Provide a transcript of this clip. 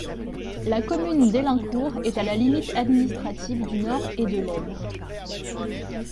La commune d'Élincourt est à la limite administrative du Nord et de l'Aisne.